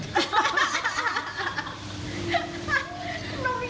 น้องใหญ่